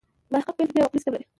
محقق بېل فکري او عقلي سیسټم لري.